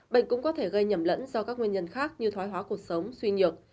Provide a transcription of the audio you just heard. bệnh cũng có thể gây nhầm lẫn do các nguyên nhân khác như thói hóa cuộc sống suy nhược